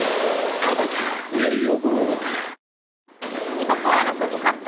時刻は６時８分。